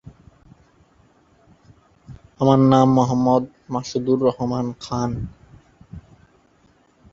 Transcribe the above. তাঁর পেশা তাকে সুর-শাস্ত্রের তত্ত্ব সম্পর্কে উৎসাহিত করে তোলে এবং তিনি অঙ্ক শেখেন।